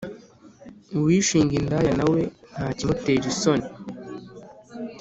uwishinga indaya na we, ntakimutera isoni;